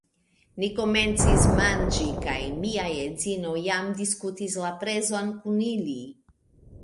Ni komencis manĝi kaj mia edzino jam diskutis la prezon kun ili